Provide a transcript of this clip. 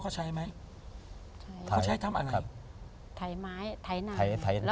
ใช่แล้วก็ทำบุตรให้ท่าน